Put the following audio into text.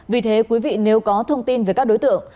vì thế quý vị nếu có thông tin về các đối tượng